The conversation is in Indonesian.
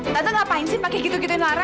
tante ngapain sih pake gitu gituin lara